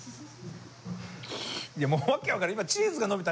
いやもう訳分からない